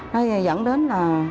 nó dẫn đến là